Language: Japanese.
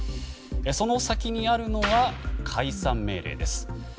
その先にあるのは解散命令です。